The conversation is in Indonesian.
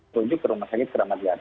terujuk ke rumah sakit keramatian